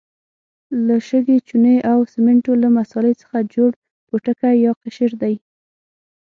له شګې، چونې او سمنټو له مسالې څخه جوړ پوټکی یا قشر دی.